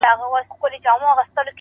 د خپل ژوند عکس ته گوري،